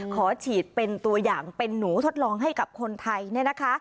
ขอฉีดเป็นตัวอย่างเป็นหนูทดลองให้กับคนไทยเนี่ยนะคะ